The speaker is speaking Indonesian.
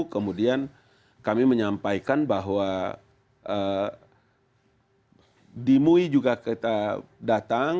kemudian kami menyampaikan bahwa di mui juga kita datang